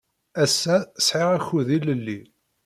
Ass-a, sɛiɣ akud ilelli.